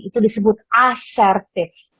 itu disebut assertif